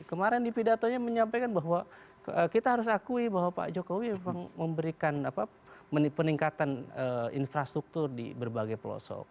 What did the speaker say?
kemarin di pidatonya menyampaikan bahwa kita harus akui bahwa pak jokowi memang memberikan peningkatan infrastruktur di berbagai pelosok